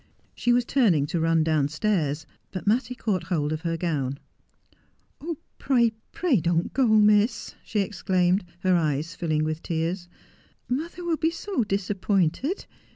She was turning to run downstairs, but Mattie caught hold of her gown. ' Oh, pray, pray don't go, Miss,' she exclaimed, her eyes filling with tears, ' mother will be so disappointed.